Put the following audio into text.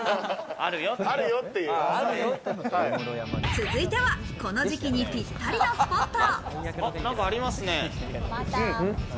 続いては、この時期にぴったりのスポット。